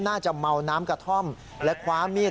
น่าจะเมาน้ำกระท่อมและคว้ามีด